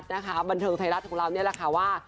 แล้วบางช่วงบันเทิงไทยรัฐของเรานี่แหละค่ะว่า